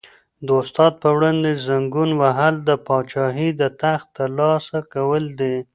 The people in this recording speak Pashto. د استاد په وړاندې زنګون وهل د پاچاهۍ د تخت تر لاسه کول دي.